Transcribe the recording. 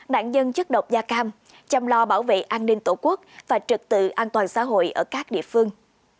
nạn nhân chất độc da cam chăm lo bảo vệ an ninh tổ quốc và trực tự an toàn xã hội ở các địa phương